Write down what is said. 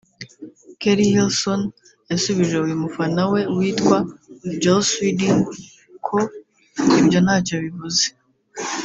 Keri Hilson yasubije uyu mufana we witwa Jalsweedie ko ibyo ntacyo bivuze